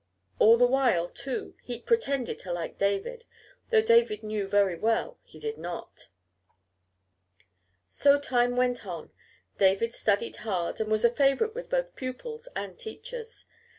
All the while, too, Heep pretended to like David, though David knew very well he did not. So time went on. David studied hard and was a favorite with both pupils and teachers.